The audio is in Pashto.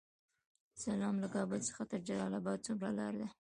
سلام، له کابل څخه تر جلال اباد څومره لاره ده؟